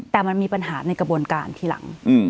แต่มันมีปัญหาในกระบวนการทีหลัง